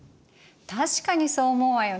確かにそう思うわよね。